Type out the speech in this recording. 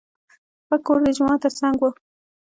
هغه کور د جومات تر څنګ و.